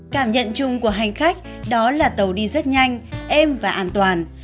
cảm nhận chung của hành khách đó là tàu đi rất nhanh êm và an toàn